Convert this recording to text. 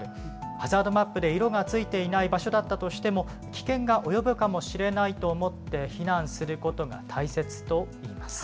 ハザードマップで色がついていない場所だったとしても、危険が及ぶかもしれないと思って避難することが大切といいます。